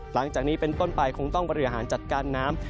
หลังจากนี้เป็นต้นไปคงต้องบริหารจัดการน้ำ